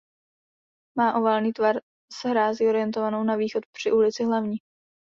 Má oválný tvar s hrází orientovanou na východ při ulici Hlavní.